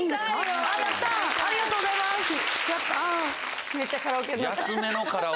ありがとうございますやった。